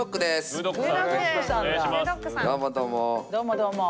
どうもどうも。